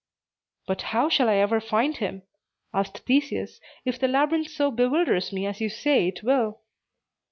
"But how shall I ever find him," asked Theseus, "if the labyrinth so bewilders me as you say it will?"